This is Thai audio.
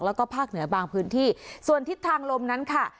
แล้วก็ภาคเหนือบางพื้นที่ส่วนทิศทางลมนั้นค่ะ